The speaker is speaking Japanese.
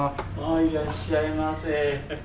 いらっしゃいませ。